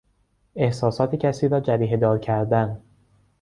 احساسات کسی را جریحهدار کردن